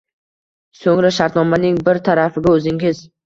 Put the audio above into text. So‘ngra shartnomaning bir tarafiga o‘zingiz